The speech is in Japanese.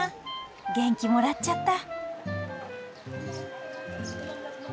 元気もらっちゃった。